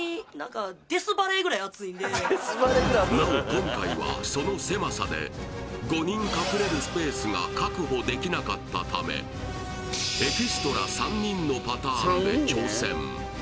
今回はその狭さで５人隠れるスペースが確保できなかったためエキストラ３人のパターンで挑戦